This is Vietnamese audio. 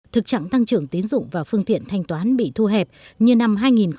thực trạng tăng trưởng tiến dụng và phương tiện thanh toán bị thu hẹp như năm hai nghìn một mươi tám